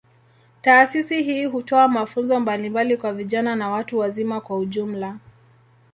Taasisi hii hutoa mafunzo mbalimbali kwa vijana na watu wazima kwa ujumla.